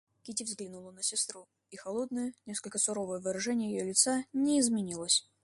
Кити взглянула на сестру, и холодное, несколько суровое выражение ее лица не изменилось.